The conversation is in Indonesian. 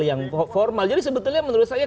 yang formal jadi sebetulnya menurut saya